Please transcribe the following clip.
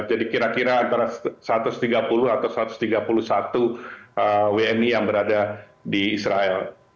jadi kira kira antara satu ratus tiga puluh atau satu ratus tiga puluh satu wni yang berada di israel